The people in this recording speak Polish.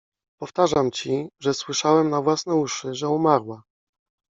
Powtarzam ci, że słyszałem na własne uszy, że umarła!